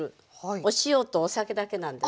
お塩とお酒だけなんです。